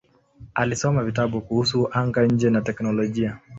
Alisoma vitabu kuhusu anga-nje na teknolojia.